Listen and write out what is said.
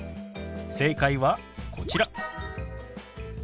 正解はこちら。